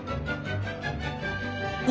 お！